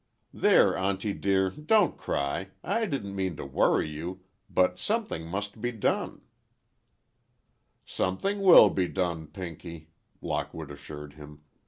"There, Auntie, dear, don't cry. I didn't mean to worry you, but something must be done—" "Something will be done, Pinky," Lockwood assured him.